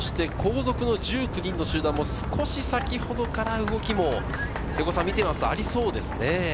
後続の１９人の集団も先程から動きも見ているとありそうですね。